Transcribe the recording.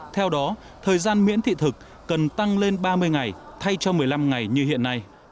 theo đó thời gian miễn thị thực cần tăng lên ba mươi ngày thay cho một mươi năm ngày như hiện nay